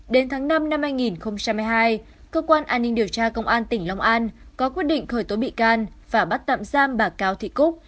đến tháng năm năm hai nghìn hai mươi hai cơ quan an ninh điều tra công an tỉnh long an có quyết định khởi tố bị can và bắt tạm giam bà cao thị cúc